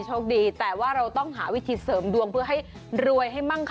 โอเคโอเคโอเคโอเคโอเคโอเคโอเคโอเคโอเคโอเคโอเค